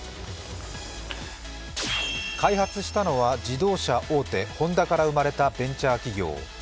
開発したのは自動車大手、Ｈｏｎｄａから生まれたベンチャー企業。